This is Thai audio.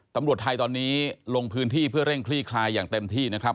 ตำรวจไทยตอนนี้ลงพื้นที่เพื่อเร่งคลี่คลายอย่างเต็มที่นะครับ